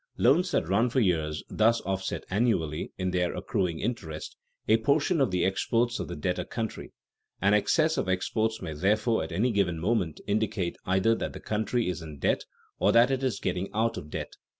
Loans that run for years thus offset annually (in their accruing interest) a portion of the exports of the debtor country. An excess of exports may therefore at any given moment indicate either that the country is in debt or that it is getting out of debt.